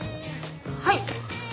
はい。